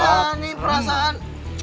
nah nih perasaan